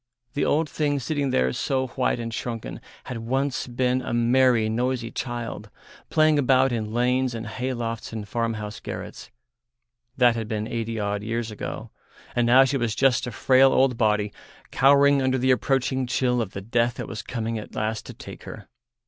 The old thing sitting there so white and shrunken had once been a merry, noisy child, playing about in lanes and hay lofts and farmhouse garrets; that had been eighty odd years ago, and now she was just a frail old body cowering under the approaching chill of the death that was coming at last to take her.